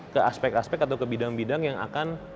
ke aspek aspek atau ke bidang bidang yang akan